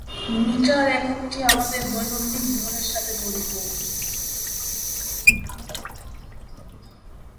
Metre এককটি আমাদের দৈনন্দিন জীবনের সাথে জড়িত।